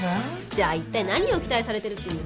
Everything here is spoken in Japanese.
じゃあ一体何を期待されてるっていうんですか？